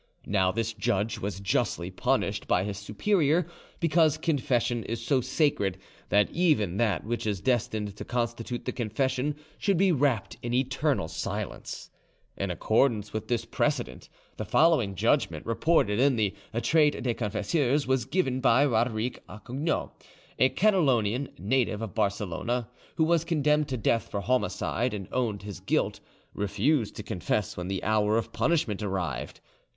Now this judge was justly punished by his superior, because confession is so sacred that even that which is destined to constitute the confession should be wrapped in eternal silence. In accordance with this precedent, the following judgment, reported in the 'Traite des Confesseurs', was given by Roderic Acugno. A Catalonian, native of Barcelona, who was condemned to death for homicide and owned his guilt, refused to confess when the hour of punishment arrived.